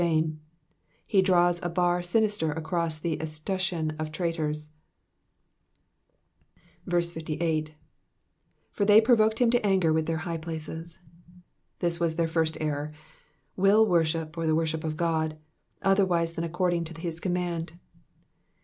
ime, he draws a bar sinister across the escutcheon of traitors. 58. ^'For they j/rovoked him to anger witli their high places.''^ This was their first error will worship, or the worship of God, otherwise than according to his command.